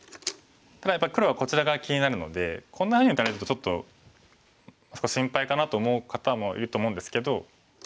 ただやっぱ黒はこちら側気になるのでこんなふうに打たれるとちょっと心配かなと思う方もいると思うんですけど。